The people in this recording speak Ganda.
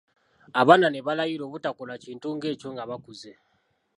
Abaana ne balayira obutakola kintu ng'ekyo nga bakuze.